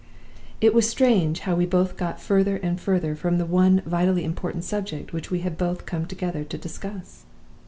"It was strange how we both got further and further from the one vitally important subject which we had both come together to discuss!